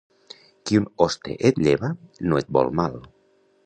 Qui un hoste et lleva, no et vol mal.